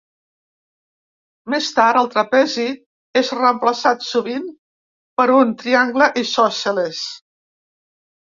Més tard, el trapezi és reemplaçat sovint per un triangle isòsceles.